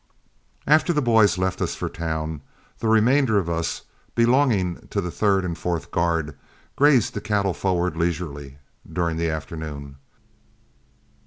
After the boys left us for town, the remainder of us, belonging to the third and fourth guard, grazed the cattle forward leisurely during the afternoon.